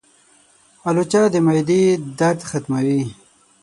الوچه د معدې درد ختموي.